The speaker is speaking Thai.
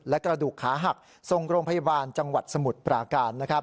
และกระดูกขาหักทรงโรงพยาบาลจังหวัดสมุทรปราการ